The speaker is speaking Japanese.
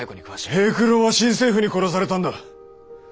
平九郎は新政府に殺されたんだ！